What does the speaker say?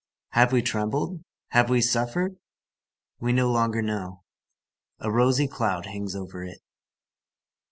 Have we trembled? Have we suffered? We no longer know. A rosy cloud hangs over it.